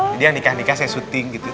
jadi yang nikah nikah saya syuting gitu